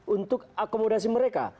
untuk akomodasi mereka